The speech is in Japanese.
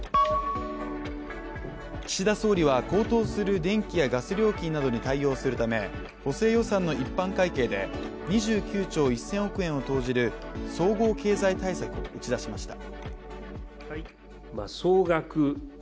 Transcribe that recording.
岸田総理は、高騰する電気やガス料金などに対応するため、補正予算の一般会計で２９兆１０００億円を投じる総合経済対策を打ち出しました。